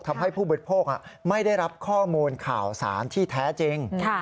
ทำให้ผู้บริโภคไม่ได้รับข้อมูลข่าวสารที่แท้จริง